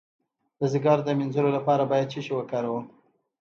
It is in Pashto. د ځیګر د مینځلو لپاره باید څه شی وکاروم؟